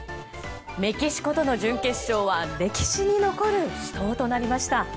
メキシコとの準決勝は歴史に残る死闘となりました。